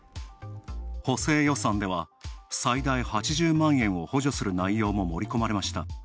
補正予算では、最大８０万円を補助する内容も盛り込まれました。